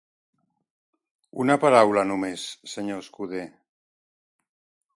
Una paraula només, Sr. Scudder.